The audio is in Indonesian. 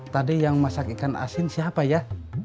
tadi yang masak ikan asin siapa ya